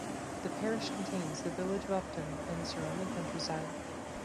The parish contains the village of Upton and the surrounding countryside.